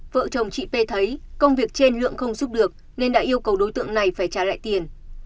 vợ chồng chị p thấy công việc trên lượng không giúp được nên đã yêu cầu đối tượng này phải trả lại tiền